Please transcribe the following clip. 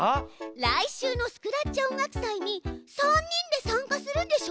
来週のスクラッチ音楽祭に３人で参加するんでしょう。